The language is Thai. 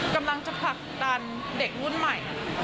กำลังจะผลักดันเด็กรุ่นใหม่